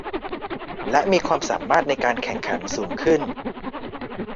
และมีความสามารถในการแข่งขันสูงขึ้น